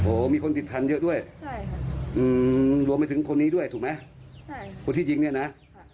โหมีคนติดทันเยอะด้วยรวมถึงคนนี้ด้วยถูกไหมคนที่หญิงนี่นะใช่